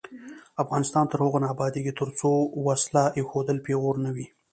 افغانستان تر هغو نه ابادیږي، ترڅو وسله ایښودل پیغور نه وي.